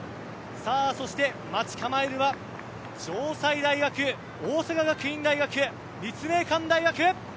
待ち構えるは城西大学大阪学院大学立命館大学。